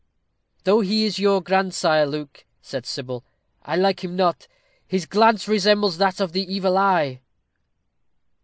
"Though he is your grandsire, Luke," said Sybil, "I like him not. His glance resembles that of the Evil Eye."